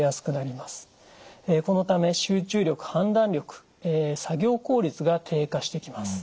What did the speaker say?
このため集中力判断力作業効率が低下してきます。